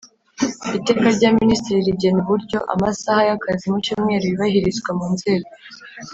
Iteka rya Minisitiri rigena uburyo amasaha y akazi mu cyumweru yubahirizwa mu nzego